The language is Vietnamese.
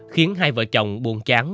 khiến hai vợ chồng buồn chán